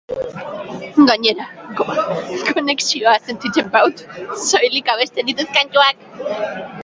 Gainera, konexioa sentitzen baudt soilik abesten ditut kantuak.